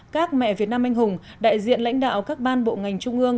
các mẹ việt nam anh hùng đại diện lãnh đạo các ban bộ ngành trung ương